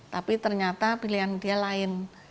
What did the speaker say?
tapi ternyata pilihan dia lain